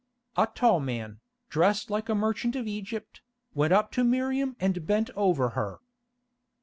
A tall man, dressed like a merchant of Egypt, went up to Miriam and bent over her.